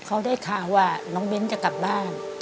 เขาได้ข่าวว่าน้องเบ้นจะกลับบ้าน